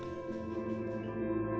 bumk kampung sampah blank room